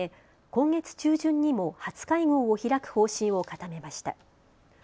今月中旬にも初会合を開く方針を固めました。